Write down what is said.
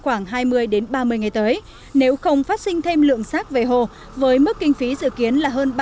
khoảng hai mươi ba mươi ngày tới nếu không phát sinh thêm lượng rác về hồ với mức kinh phí dự kiến là hơn